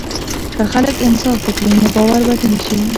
که خلک انصاف وکړي، نو باور به ټینګ شي.